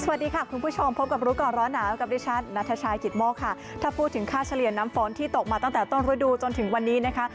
สวัสดีค่ะคุณผู้ชมพบกับรู้ก่อนร้อนหนาวกับดิฉันนัทชายกิตโมกค่ะถ้าพูดถึงค่าเฉลี่ยน้ำฝนที่ตกมาตั้งแต่ต้นฤดูจนถึงวันนี้นะคะ